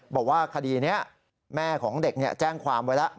บอกว่าคดีนี้แม่ของเด็กแจ้งความไว้แล้ว